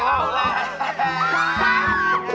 สนใจไหมคะ